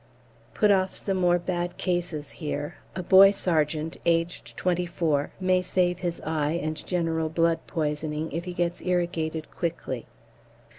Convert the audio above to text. Put off some more bad cases here; a boy sergeant, aged 24, may save his eye and general blood poisoning if he gets irrigated quickly.